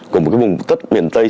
của một vùng tất miền tây